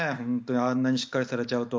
あんなにしっかりされちゃうと。